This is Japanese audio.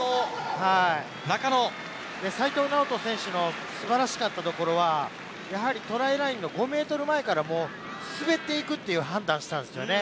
齋藤直人選手のすばらしかったところは、トライラインの５ｍ前からもう滑っていくって判断したんですよね。